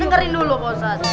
dengarin dulu pak ustadz